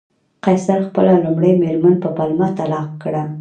قیصر خپله لومړۍ مېرمن په پلمه طلاق کړه